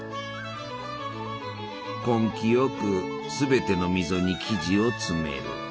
根気よくすべての溝に生地を詰める。